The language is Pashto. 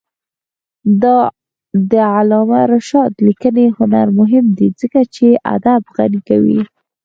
د علامه رشاد لیکنی هنر مهم دی ځکه چې ادب غني کوي.